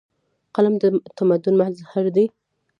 قلم د تمدن مظهر دی.